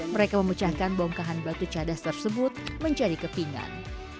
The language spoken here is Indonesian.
mereka memecahkan bongkahan batu cadas tersebut mencari kepingan